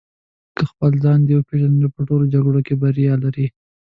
که خپل ځان دې وپېژنده په ټولو جګړو کې بریا لرې.